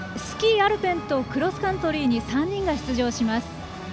スキー・アルペンとクロスカントリーに３人が出場します。